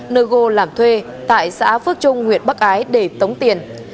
nơi ngô làm thuê tại xã phước trung huyện bắc ái để tống tiền